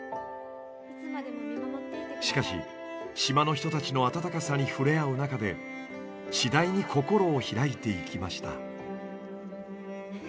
しかし島の人たちの温かさに触れ合う中で次第に心を開いていきました。